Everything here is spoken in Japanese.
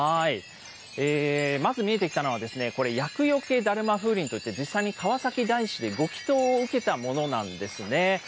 まず見えてきたのは、これ、厄除けだるま風鈴といって、実際に川崎大師でご祈とうを受けたものなんですね。